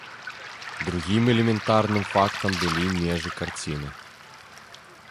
Другім элементарным фактам былі межы карціны.